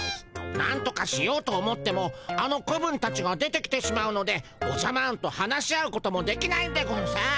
なんとかしようと思ってもあの子分たちが出てきてしまうのでおじゃマーンと話し合うこともできないんでゴンス。